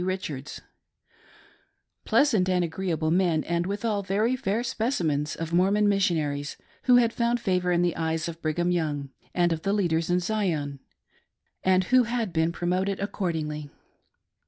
Richards :— pleasant and agreeable men, and withal very fair specimens of Mormon missionaries, who had found favor in the eyes of / Brigham Young and of the leaders in Zion, and who had been promoted accordingly.